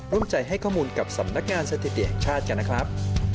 ร่วมใจให้ข้อมูลกับสำนักงานสถิติแห่งชาติกันนะครับ